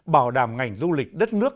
bảo đảm ngành du lịch đất nước